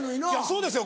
そうですよ